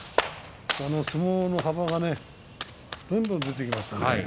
相撲の幅がどんどん出てきました。